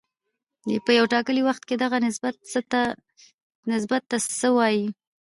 په یو ټاکلي وخت کې دغه نسبت ته څه وايي